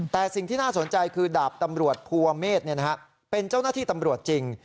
แต่สิ่งที่น่าสนใจคือดาบตำรวจภูเมฆเป็นเจ้าหน้าที่ตำรวจจริง